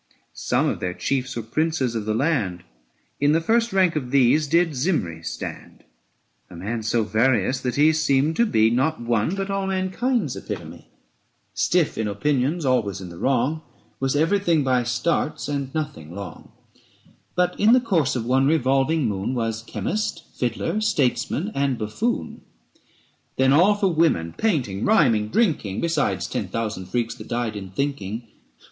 Some of their chiefs were princes of the land ; In the first rank of these did Zimri stand, A man so various that he seemed to be 545 Not one, but all mankind's epitome: Stiff in opinions, always in the wrong, Was everything by starts and nothing long ; But in the course of one revolving moon Was chymist, fiddler, statesman, and buffoon ; 550 Then all for women, painting, rhyming, drinking, Besides ten thousand freaks that died in thinking.